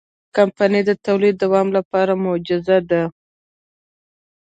کمپنۍ د تولید دوام لپاره مجهزه ده.